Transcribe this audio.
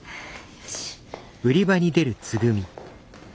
よし。